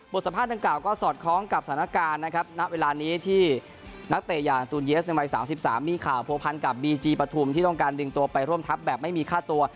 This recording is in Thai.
สภาพดังกล่าก็สอดคล้องกับสถานการณ์นะครับณเวลานี้ที่นักเตะอย่างตูนเยสในวัย๓๓มีข่าวผัวพันกับบีจีปฐุมที่ต้องการดึงตัวไปร่วมทัพแบบไม่มีค่าตัว